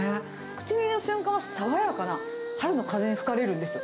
口に入れた瞬間は、爽やかな春の風に吹かれるんです。